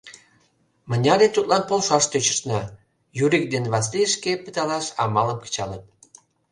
«Мыняре тудлан полшаш тӧчышна», — Юрик ден Васлий шкем пыдалаш амалым кычалыт.